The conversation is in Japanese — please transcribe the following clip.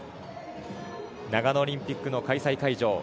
長野オリンピックの開催会場